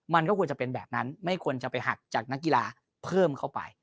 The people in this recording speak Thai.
มันก็ควรจะเป็นแบบนั้นไม่ควรจะไปหักจากนักกีฬาเพิ่มเข้าไป